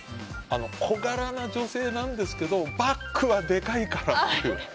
小柄な女性なんですけどバッグはでかいからという。